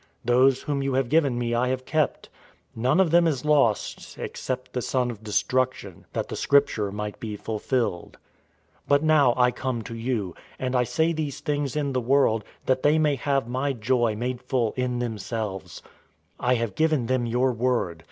Those whom you have given me I have kept. None of them is lost, except the son of destruction, that the Scripture might be fulfilled. 017:013 But now I come to you, and I say these things in the world, that they may have my joy made full in themselves. 017:014 I have given them your word.